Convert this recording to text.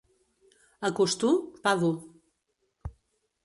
A Costur, pa dur.